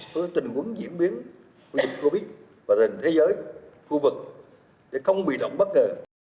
về tình huống diễn biến covid và tình thế giới khu vực để không bị động bất ngờ